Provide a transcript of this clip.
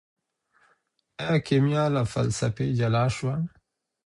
ايا کيميا له فلسفې جلا سوه؟